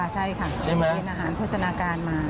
ใช่ค่ะเรียนอาหารพฤชนาการมา